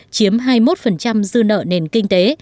chiếm hai mươi một dư nợ nền kinh tế